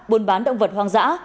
buôn bán động vật hoang dã